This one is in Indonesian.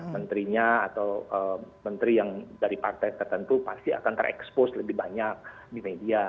menterinya atau menteri yang dari partai tertentu pasti akan terekspos lebih banyak di media